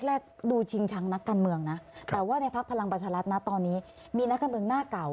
แรกดูชิงช้างนักการเมืองนะแต่ว่าในพักพลังประชารัฐนะตอนนี้มีนักการเมืองหน้าเก่า